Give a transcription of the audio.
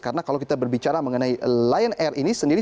karena kalau kita berbicara mengenai lion air ini sendiri